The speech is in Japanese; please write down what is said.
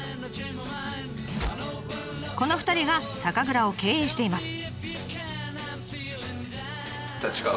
この２人が酒蔵を経営しています。